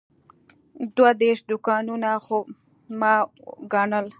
دوه دېرش دوکانونه خو ما وګڼل.